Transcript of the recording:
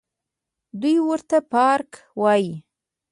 دوى ورته پارک وايه.